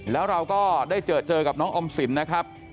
แล้วเราก็ได้เจอกับน้องออมสินนะครับ